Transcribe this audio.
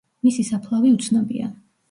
მისი საფლავი უცნობია.